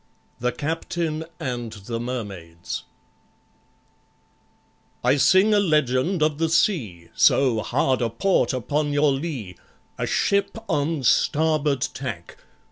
THE CAPTAIN AND THE MERMAIDS I SING a legend of the sea, So hard a port upon your lee! A ship on starboard tack!